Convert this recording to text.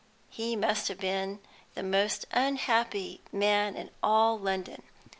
He must have been the most unhappy man in all London.